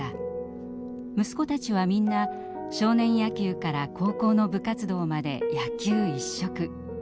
息子たちはみんな少年野球から高校の部活動まで野球一色。